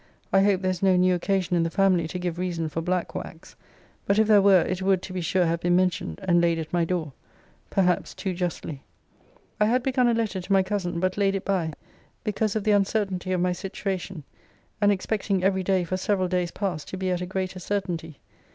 I hope there is no new occasion in the family to give reason for black wax. But if there were, it would, to be sure, have been mentioned, and laid at my door perhaps too justly! I had begun a letter to my cousin; but laid it by, because of the uncertainty of my situation, and expecting every day for several days past to be at a greater certainty.